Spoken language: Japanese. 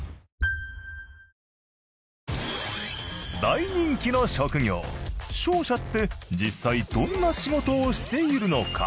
大人気の職業商社って実際どんな仕事をしているのか？